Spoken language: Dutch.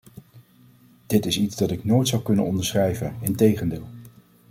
Dit is iets dat ik nooit zou kunnen onderschrijven; integendeel!